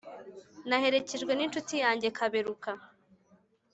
naherekejwe n’inshuti yanjye kaberuka